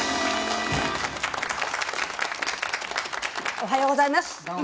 おはようございます。